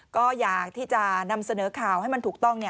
ก็อยากที่จะนำเสนอข่าวให้มันถูกต้อง